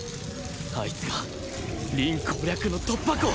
あいつが凛攻略の突破口！